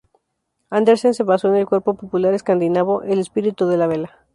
Andersen se basó en el cuento popular escandinavo "El espíritu de la vela".